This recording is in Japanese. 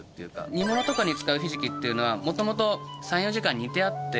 煮物とかに使うひじきっていうのは元々３４時間煮てあって。